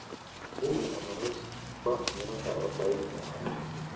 mbuni anaishi kwa miaka arobaini na tano